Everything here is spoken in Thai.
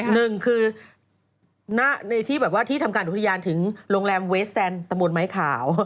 หนึ่งคือที่ทำการอุทยานถึงโรงแรมเวสแซนตระบวนไม้ขาว